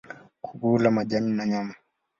Kuku hula majani na nyama.